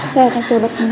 saya kasih lewat minum